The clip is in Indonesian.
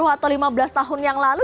dua puluh atau lima belas tahun yang lalu